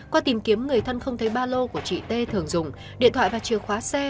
qua tìm kiếm người thân không thấy ba lô của chị t thường dùng điện thoại và chìa khóa xe